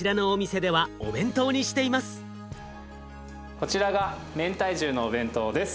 こちらがめんたい重のお弁当です。